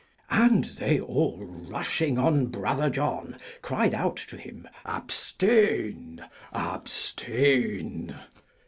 And they all, rushing on Brother John, cried out to him, 'Abstain! Abstain!'